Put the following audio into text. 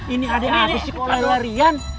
ini adik aku si kelari larian